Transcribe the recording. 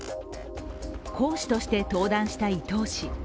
講師として登壇した伊東氏。